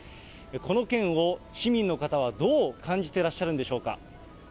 この件を市民の方はどう感じてらっしゃるんでしょうか。